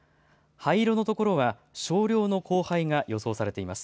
灰色のところは少量の降灰が予想されています。